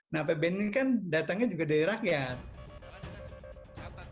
nah apbn ini kan datangnya juga dari rakyat